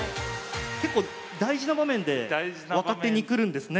結構大事な場面で若手に来るんですね